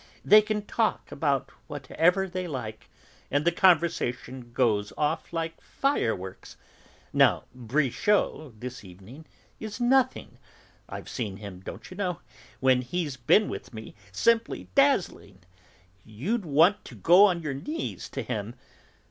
They can talk about whatever they like, and the conversation goes off like fireworks. Now Brichot, this evening, is nothing. I've seen him, don't you know, when he's been with me, simply dazzling; you'd want to go on your knees to him.